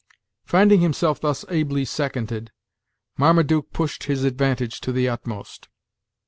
Finding himself thus ably seconded, Marmaduke pushed his advantage to the utmost.